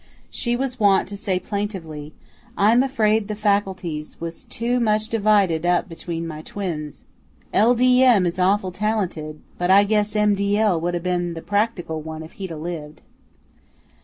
She was wont to say plaintively, "I'm afraid the faculties was too much divided up between my twins. L. D. M. is awful talented, but I guess M. D. L. would 'a' ben the practical one if he'd 'a' lived."